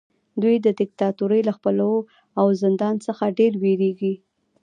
دوی د دیکتاتورۍ له ځپلو او زندان څخه ډیر ویریږي.